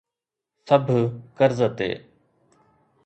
سڀ قرض تي.